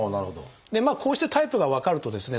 こうしてタイプが分かるとですね